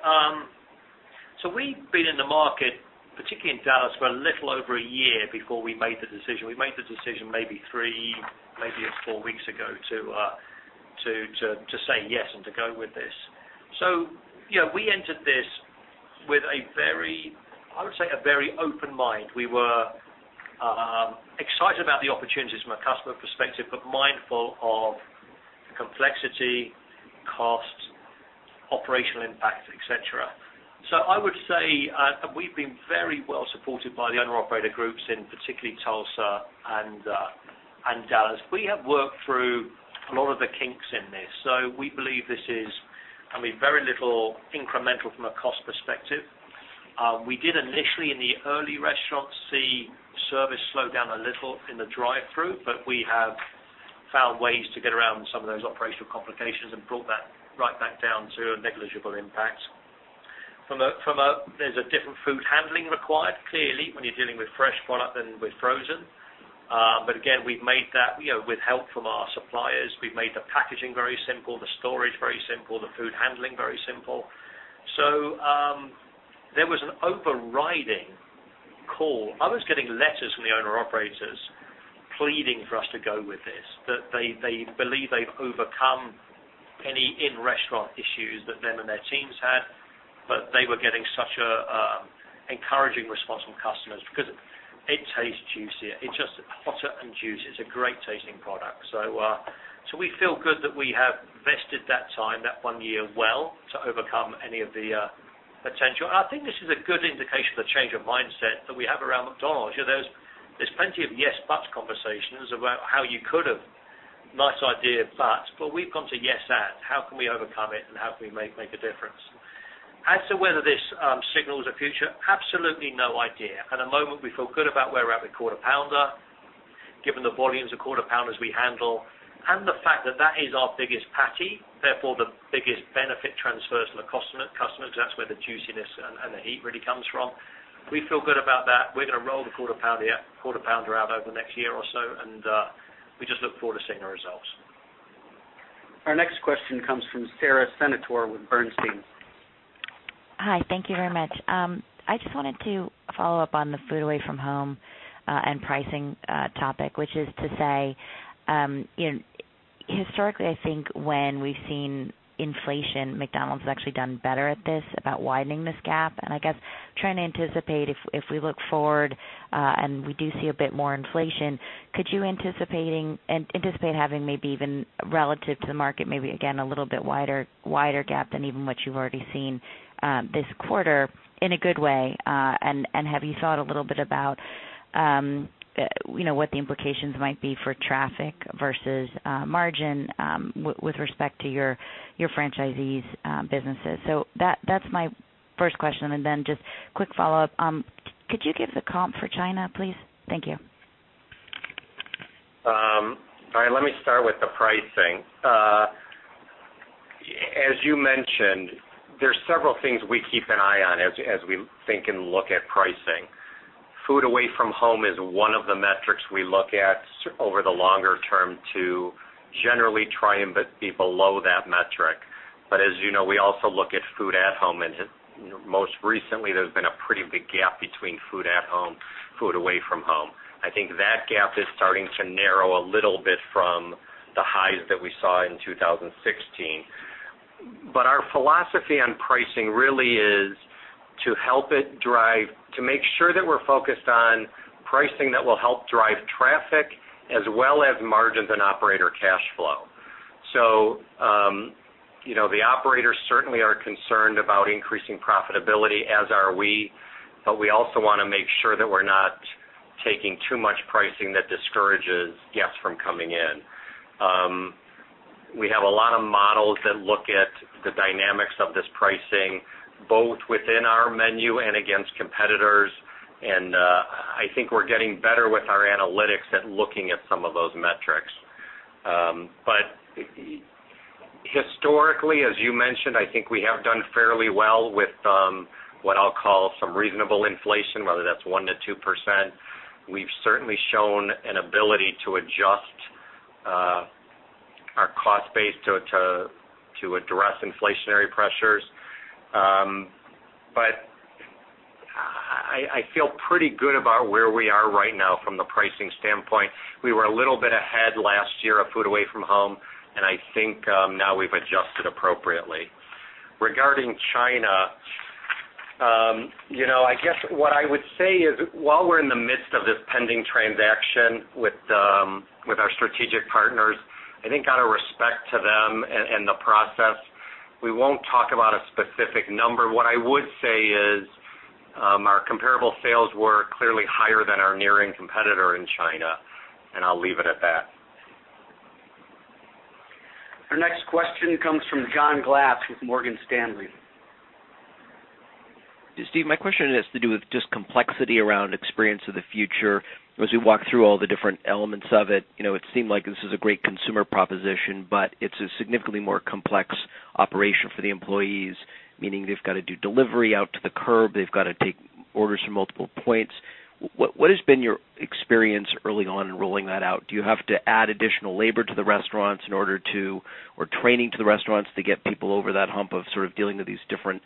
so we've been in the market, particularly in Dallas, for a little over a year before we made the decision. We made the decision maybe three, maybe four weeks ago to say yes and to go with this. We entered this with, I would say, a very open mind. We were excited about the opportunities from a customer perspective, but mindful of the complexity, costs, operational impact, et cetera. I would say, we've been very well supported by the owner operator groups in particularly Tulsa and Dallas. We have worked through a lot of the kinks in this, we believe this is very little incremental from a cost perspective. We did initially in the early restaurants see service slow down a little in the drive-thru, we have found ways to get around some of those operational complications and brought that right back down to a negligible impact. There's a different food handling required, clearly, when you're dealing with fresh product than with frozen. Again, with help from our suppliers, we've made the packaging very simple, the storage very simple, the food handling very simple. There was an overriding call. I was getting letters from the owner-operators pleading for us to go with this, that they believe they've overcome any in-restaurant issues that them and their teams had, they were getting such encouraging response from customers because it tastes juicier. It's just hotter and juicier. It's a great-tasting product. We feel good that we have vested that time, that one year, well to overcome any of the potential. I think this is a good indication of the change of mindset that we have around McDonald's. There's plenty of "Yes, but" conversations about how you could have. Nice idea, but We've come to "Yes, and." How can we overcome it, and how can we make a difference? As to whether this signals a future, absolutely no idea. At the moment, we feel good about where we're at with Quarter Pounder, given the volumes of Quarter Pounders we handle and the fact that that is our biggest patty, therefore, the biggest benefit transfers to the customers because that's where the juiciness and the heat really comes from. We feel good about that. We're going to roll the Quarter Pounder out over the next year or so, we just look forward to seeing the results. Our next question comes from Sara Senatore with Bernstein. Hi. Thank you very much. I just wanted to follow up on the food away from home, and pricing topic, which is to say, historically, I think when we've seen inflation, McDonald's has actually done better at this, about widening this gap. I guess trying to anticipate if we look forward, and we do see a bit more inflation, could you anticipate having maybe even relative to the market, maybe again, a little bit wider gap than even what you've already seen this quarter in a good way? Have you thought a little bit about what the implications might be for traffic versus margin with respect to your franchisees' businesses? That's my first question. Then just quick follow-up. Could you give the comp for China, please? Thank you. All right. Let me start with the pricing. As you mentioned, there's several things we keep an eye on as we think and look at pricing. Food away from home is one of the metrics we look at over the longer term to generally try and be below that metric. As you know, we also look at food at home, and most recently, there's been a pretty big gap between food at home, food away from home. I think that gap is starting to narrow a little bit from the highs that we saw in 2016. Our philosophy on pricing really is to make sure that we're focused on pricing that will help drive traffic as well as margins and operator cash flow. The operators certainly are concerned about increasing profitability, as are we, but we also want to make sure that we're not taking too much pricing that discourages guests from coming in. We have a lot of models that look at the dynamics of this pricing, both within our menu and against competitors, and I think we're getting better with our analytics at looking at some of those metrics. Historically, as you mentioned, I think we have done fairly well with what I'll call some reasonable inflation, whether that's 1%-2%. We've certainly shown an ability to adjust our cost base to address inflationary pressures. I feel pretty good about where we are right now from the pricing standpoint. We were a little bit ahead last year of food away from home. I think now we've adjusted appropriately. Regarding China, I guess what I would say is while we're in the midst of this pending transaction with our strategic partners, I think out of respect to them and the process, we won't talk about a specific number. What I would say is our comparable sales were clearly higher than our nearing competitor in China. I'll leave it at that. Our next question comes from John Glass with Morgan Stanley. Steve, my question has to do with just complexity around Experience of the Future. As we walk through all the different elements of it seemed like this is a great consumer proposition, but it's a significantly more complex operation for the employees, meaning they've got to do delivery out to the curb, they've got to take orders from multiple points. What has been your experience early on in rolling that out? Do you have to add additional labor to the restaurants in order to, or training to the restaurants to get people over that hump of sort of dealing with these different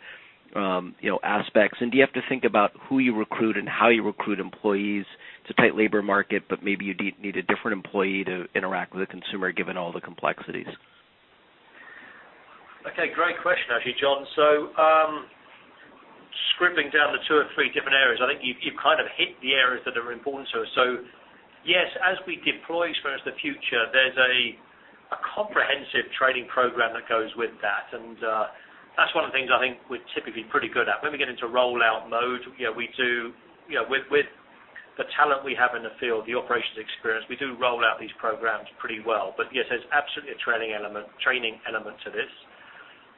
aspects? Do you have to think about who you recruit and how you recruit employees? It's a tight labor market, but maybe you need a different employee to interact with the consumer given all the complexities. Okay, great question, actually, John. Stripping down to two or three different areas, I think you've kind of hit the areas that are important to us. Yes, as we deploy Experience of the Future, there's a comprehensive training program that goes with that. That's one of the things I think we're typically pretty good at. When we get into rollout mode, with the talent we have in the field, the operations experience, we do roll out these programs pretty well. Yes, there's absolutely a training element to this.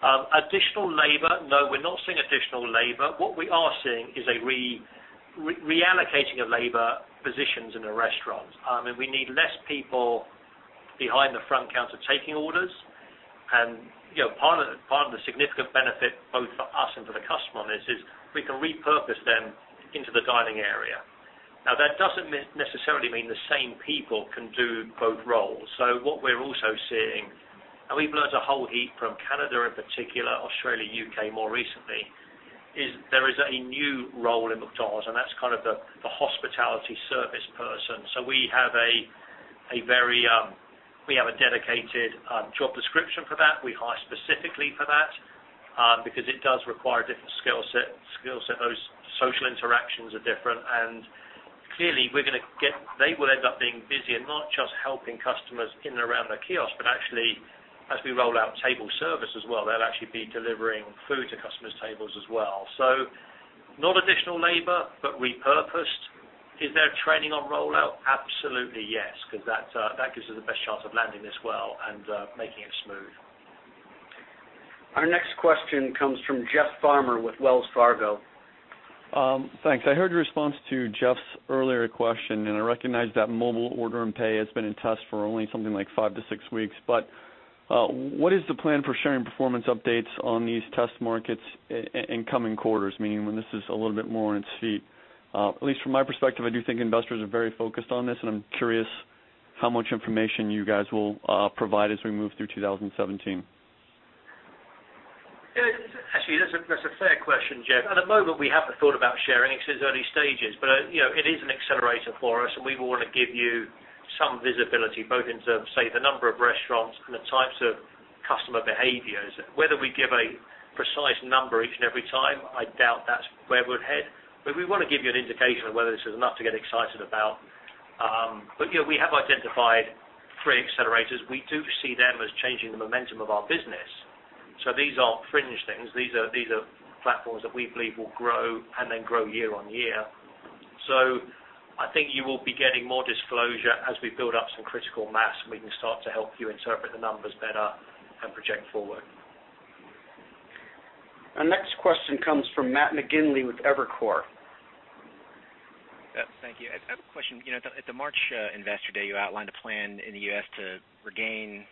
Additional labor, no, we're not seeing additional labor. What we are seeing is a reallocating of labor positions in the restaurants. We need less people behind the front counter taking orders. Part of the significant benefit both for us and for the customer on this is we can repurpose them into the dining area. Now, that doesn't necessarily mean the same people can do both roles. What we're also seeing, and we've learned a whole heap from Canada in particular, Australia, U.K. more recently, is there is a new role in McDonald's, and that's kind of the hospitality service person. We have a dedicated job description for that. We hire specifically for that, because it does require a different skill set. Those social interactions are different, and clearly they will end up being busy and not just helping customers in and around the kiosk, but actually as we roll out table service as well, they'll actually be delivering food to customers' tables as well. Not additional labor, but repurposed. Is there training on rollout? Absolutely, yes, because that gives us the best chance of landing this well and making it smooth. Our next question comes from Jeff Farmer with Wells Fargo. Thanks. I heard your response to Jeff's earlier question. I recognize that Mobile Order & Pay has been in test for only something like five to six weeks. What is the plan for sharing performance updates on these test markets in coming quarters, meaning when this is a little bit more on its feet? At least from my perspective, I do think investors are very focused on this, and I'm curious how much information you guys will provide as we move through 2017. Actually, that's a fair question, Jeff. At the moment, we haven't thought about sharing it because it's early stages. It is an accelerator for us, and we will want to give you some visibility, both in terms of, say, the number of restaurants and the types of customer behaviors. Whether we give a precise number each and every time, I doubt that's where we'll head. We want to give you an indication of whether this is enough to get excited about. We have identified three accelerators. We do see them as changing the momentum of our business. These aren't fringe things. These are platforms that we believe will grow and then grow year on year. I think you will be getting more disclosure as we build up some critical mass and we can start to help you interpret the numbers better and project forward. Our next question comes from Matt McGinley with Evercore. Thank you. I have a question. At the March Investor Day, you outlined a plan in the U.S. to regain,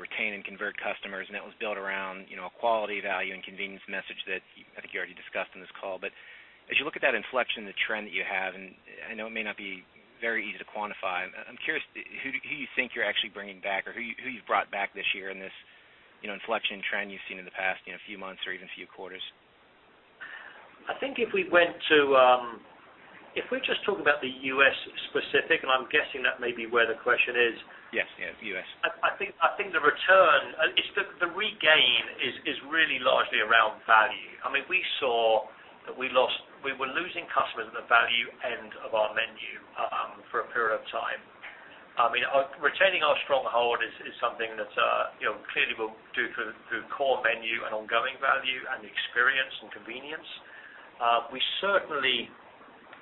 retain, and convert customers, and that was built around a quality, value, and convenience message that I think you already discussed on this call. As you look at that inflection, the trend that you have, and I know it may not be very easy to quantify, I'm curious who you think you're actually bringing back or who you've brought back this year in this inflection trend you've seen in the past few months or even few quarters? I think if we just talk about the U.S. specific, and I'm guessing that may be where the question is- Yes. U.S. I think the regain is really largely around value. We saw that we were losing customers at the value end of our menu for a period of time. Retaining our stronghold is something that clearly we'll do through core menu and ongoing value and experience and convenience. We certainly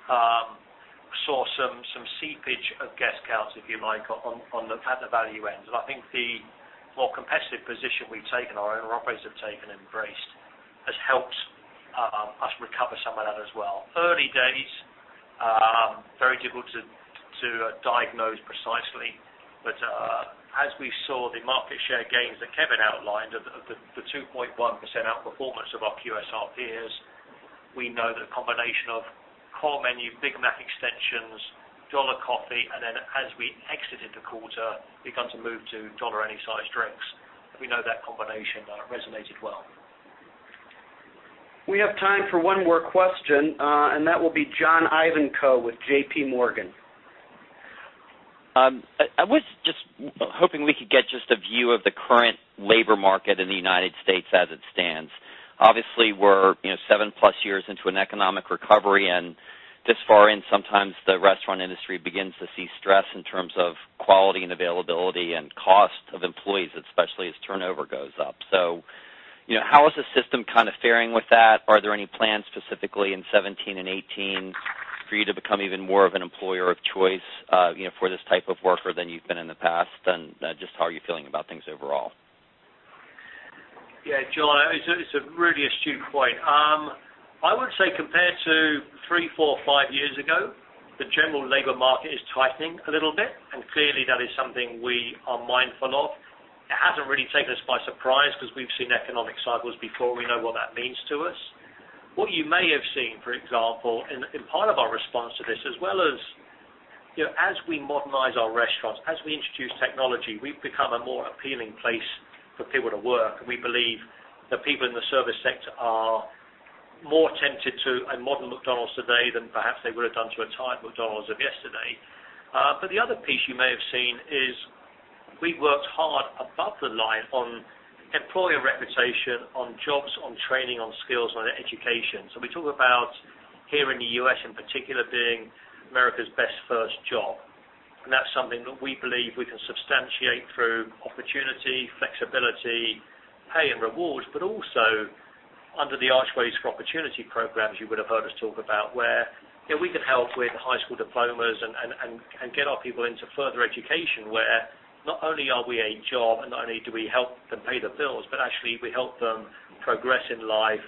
saw some seepage of guest counts, if you like, at the value end. I think the more competitive position we've taken, our own operators have taken and embraced, has helped us recover some of that as well. Early days, very difficult to diagnose precisely. As we saw the market share gains that Kevin outlined, the 2.1% outperformance of our QSR peers, we know that a combination of core menu, Big Mac extensions, dollar coffee, and then as we exited the quarter, begun to move to dollar any size drinks. We know that combination resonated well. We have time for one more question. That will be John Ivankoe with JPMorgan. I was just hoping we could get just a view of the current labor market in the U.S. as it stands. Obviously, we're 7-plus years into an economic recovery. This far in, sometimes the restaurant industry begins to see stress in terms of quality and availability and cost of employees, especially as turnover goes up. How is the system faring with that? Are there any plans specifically in 2017 and 2018 for you to become even more of an employer of choice for this type of worker than you've been in the past? Just how are you feeling about things overall? Yeah, John, it's a really astute point. I would say compared to three, four, five years ago, the general labor market is tightening a little bit. Clearly that is something we are mindful of. It hasn't really taken us by surprise because we've seen economic cycles before. We know what that means to us. What you may have seen, for example, in part of our response to this, as well as we modernize our restaurants, as we introduce technology, we've become a more appealing place for people to work. We believe that people in the service sector are more tempted to a modern McDonald's today than perhaps they would have done to a tired McDonald's of yesterday. The other piece you may have seen is we've worked hard above the line on employer reputation, on jobs, on training, on skills, on education. We talk about here in the U.S. in particular being America's best first job. That's something that we believe we can substantiate through opportunity, flexibility, pay, and rewards, but also under the Archways to Opportunity programs you would have heard us talk about, where we can help with high school diplomas and get our people into further education where not only are we a job and not only do we help them pay the bills, but actually we help them progress in life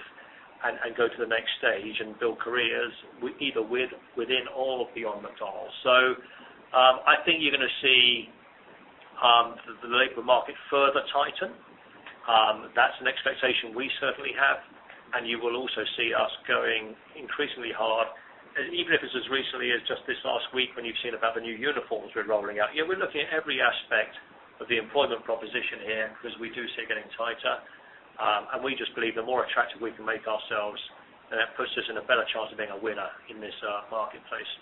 and go to the next stage and build careers either within or beyond McDonald's. I think you're going to see the labor market further tighten. That's an expectation we certainly have. You will also see us going increasingly hard, even if it's as recently as just this last week when you've seen about the new uniforms we're rolling out. We're looking at every aspect of the employment proposition here because we do see it getting tighter. We just believe the more attractive we can make ourselves, then that puts us in a better chance of being a winner in this marketplace.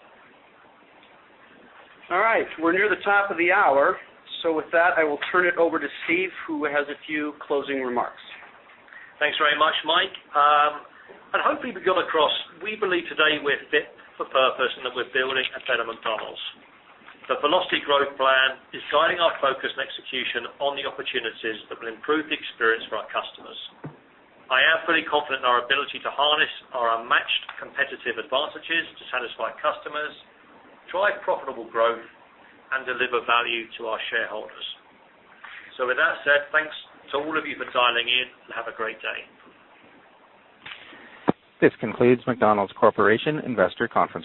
All right. We're near the top of the hour. With that, I will turn it over to Steve, who has a few closing remarks. Thanks very much, Mike. I hope you've got across, we believe today we're fit for purpose and that we're building a better McDonald's. The Velocity Growth Plan is guiding our focus and execution on the opportunities that will improve the experience for our customers. I am fully confident in our ability to harness our unmatched competitive advantages to satisfy customers, drive profitable growth, and deliver value to our shareholders. With that said, thanks to all of you for dialing in, and have a great day. This concludes McDonald's Corporation Investor Conference